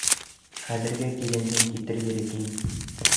Хәҙерге килендең китер ере киң.